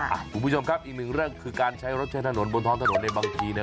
คุณผู้ชมครับอีกหนึ่งเรื่องคือการใช้รถใช้ถนนบนท้องถนนในบางทีเนี่ย